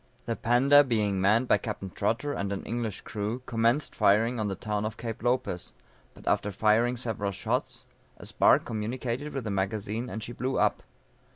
_] The Panda being manned by Capt. Trotter and an English crew, commenced firing on the town of Cape Lopez, but after firing several shots, a spark communicated with the magazine and she blew up.